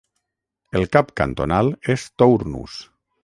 El cap cantonal és Tournus.